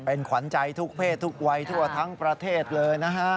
เป็นขวัญใจทุกเพศทุกวัยทั่วทั้งประเทศเลยนะฮะ